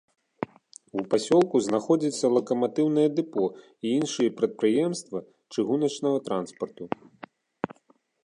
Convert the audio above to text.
У пасёлку знаходзіцца лакаматыўнае дэпо і іншыя прадпрыемствы чыгуначнага транспарту.